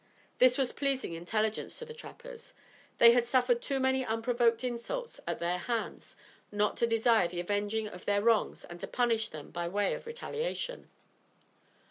This was pleasing intelligence to the trappers. They had suffered too many unprovoked insults at their hands not to desire the avenging of their wrongs and to punish them by way of retaliation.